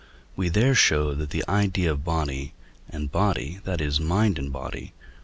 We there showed that the idea of body and body, that is, mind and body (II.